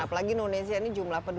apalagi indonesia ini jumlah penduduk